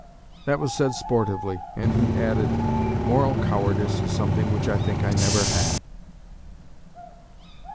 That was said sportively, and he added, 'Moral cowardice is something which I think I never had.'"